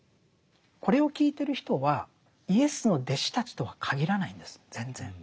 これを聞いてる人はイエスの弟子たちとは限らないんです全然。